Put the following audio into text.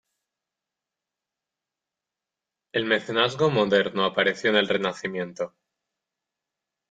El mecenazgo moderno apareció en el Renacimiento.